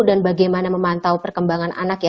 dan bagaimana memantau perkembangan anak ya